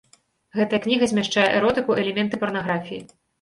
Гэтая кніга змяшчае эротыку, элементы парнаграфіі.